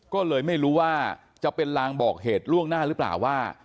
ก็เลยไม่รู้ว่าจะเป็นลางบอกเหตุล่วงหน้าหรือเปล่าว่า